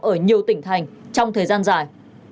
ở nhiều tỉnh thành trong thời gian dài